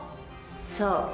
そう。